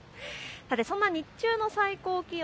そんな日中の最高気温